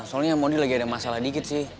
soalnya modi lagi ada masalah dikit sih